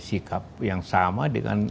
sikap yang sama dengan